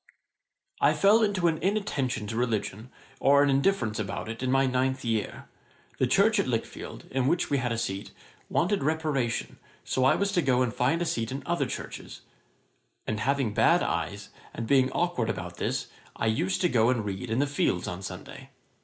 'I fell into an inattention to religion, or an indifference about it, in my ninth year. The church at Lichfield, in which we had a seat, wanted reparation, so I was to go and find a seat in other churches; and having bad eyes, and being awkward about this, I used to go and read in the fields on Sunday.